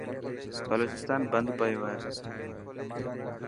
بلوچستان بند پيو هي.